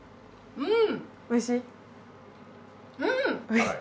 うん！